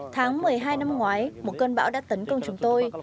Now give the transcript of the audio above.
tháng một mươi hai năm ngoái một cơn bão đã tấn công chúng tôi